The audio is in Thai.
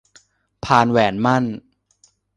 พานแหวนหมั้น